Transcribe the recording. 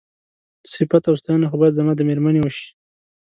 صيفت او ستاينه خو بايد زما د مېرمنې وشي.